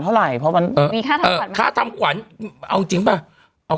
เท่าไหร่เพราะมันมีค่าทำค่าทำขวัญเอาจริงป่ะเอา